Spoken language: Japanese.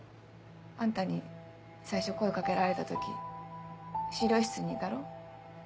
あんたに最初声掛けられた時資料室にいたろ？